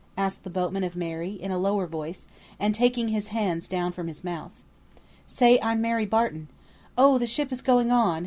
asked the boat man of Mary, in a lower voice, and taking his hands down from his mouth. "Say I'm Mary Barton. Oh, the ship is going on!